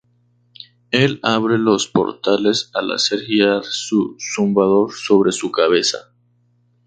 Él abre los portales al hacer girar su zumbador sobre su cabeza.